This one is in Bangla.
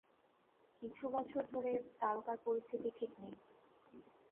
কিছু বছর ধরে, দ্বারকার পরিস্থিতি ঠিক নেই।